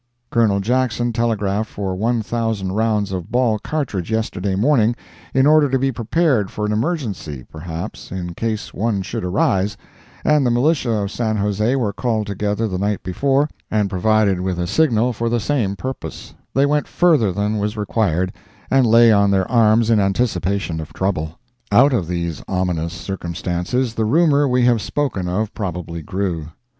Colonel Jackson telegraphed for one thousand rounds of ball cartridge yesterday morning—in order to be prepared for an emergency, perhaps, in case one should arise—and the militia of San Jose were called together the night before and provided with a signal for the same purpose; they went further than was required, and lay on their arms in anticipation of trouble. Out of these ominous circumstances the rumor we have spoken of probably grew.